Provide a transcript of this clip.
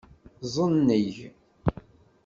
Ẓenneg.